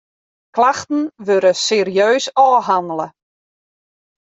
Klachten wurde serieus ôfhannele.